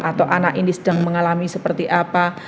atau anak ini sedang mengalami seperti apa